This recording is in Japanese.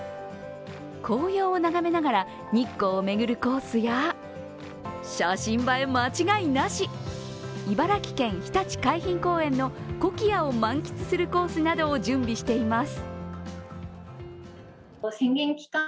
紅葉を眺めながら日光を巡るコースや、写真映え間違いなし、茨城県ひたち海浜公園のコキアを満喫するコースなどを準備しています。